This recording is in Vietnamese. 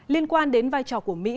liên quan đến vai trò của mỹ